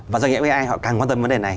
và doanh nghiệp ai họ càng quan tâm vấn đề này